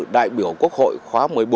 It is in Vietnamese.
đại biểu quốc hội khóa một mươi bốn